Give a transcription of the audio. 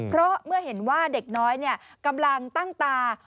เพราะเมื่อเห็นว่าเด็กน้อยกำลังตั้งตา